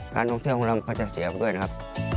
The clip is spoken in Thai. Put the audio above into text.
การท่องเที่ยวของเราก็จะเสียไปด้วยนะครับ